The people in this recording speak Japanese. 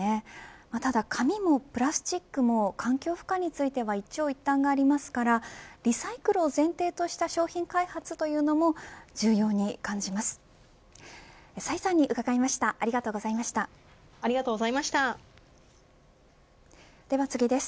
ただ紙もプラスチックも環境負荷については一長一短がありますからリサイクルを前提とした商品開発というのも重要に感じます。